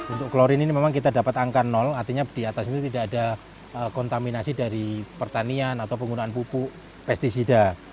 untuk klorin ini memang kita dapat angka artinya di atas ini tidak ada kontaminasi dari pertanian atau penggunaan pupuk pesticida